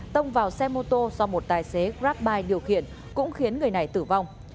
tông vào xe mô tô do một tài xế grabbuy điều khiển cũng khiến người này tử vong